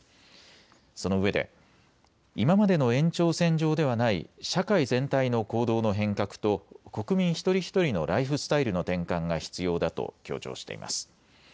そのうえで今までの延長線上ではない社会全体の行動の変革と国民一人一人のライフスタイルの転換が必要だと強調しています。